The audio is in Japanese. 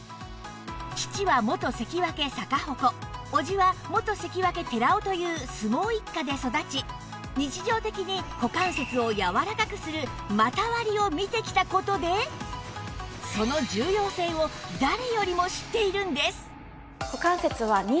父は元関脇逆鉾叔父は元関脇寺尾という相撲一家で育ち日常的に股関節をやわらかくする股割りを見てきた事でその重要性を誰よりも知っているんです